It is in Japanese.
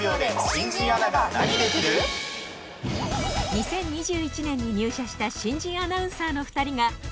２０２１年に入社した新人アナウンサーの２人が。